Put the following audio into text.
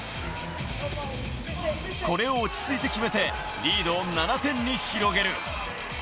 これを落ち着いて決めてリードを７点に広げる。